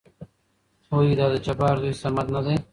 ويېېې دا د جبار زوى صمد نه دى ؟